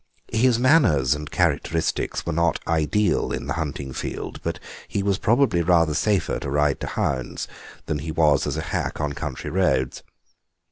His manners and characteristics were not ideal in the hunting field, but he was probably rather safer to ride to hounds than he was as a hack on country roads.